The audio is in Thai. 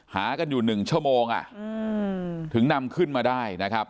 หากันอยู่หนึ่งชั่วโมงอ่ะอืมถึงนำขึ้นมาได้นะครับ